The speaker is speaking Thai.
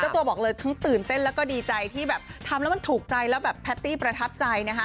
ตัวบอกเลยทั้งตื่นเต้นแล้วก็ดีใจที่แบบทำแล้วมันถูกใจแล้วแบบแพตตี้ประทับใจนะคะ